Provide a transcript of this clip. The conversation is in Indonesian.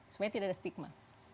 supaya tidak ada stigma